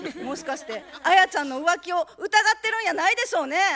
もしかしてアヤちゃんの浮気を疑ってるんやないでしょうね？